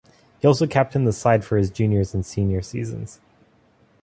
He also captained the side for his junior and senior seasons.